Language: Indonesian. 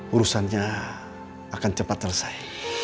urusannya akan cepat selesai